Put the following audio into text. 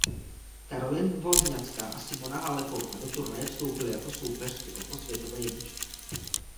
Caroline Wozniacká a Simona Halepová do turnaje vstoupily jako soupeřky o post světové jedničky.